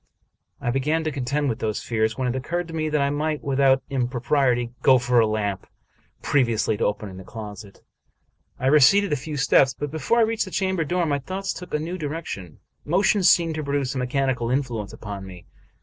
I began to contend with those fears, when it occurred to me that I might, without impropriety, go for a lamp previously to opening the closet. I receded a few steps ; but before I reached the chamber door my thoughts took a new direction. Motion seemed to produce a mechanical influence upon me.